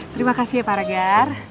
terima kasih ya pak ragar